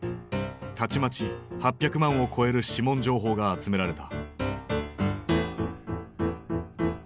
たちまち８００万を超える指紋情報が集められた。